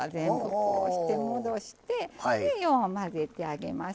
こうして戻してでよう混ぜてあげます。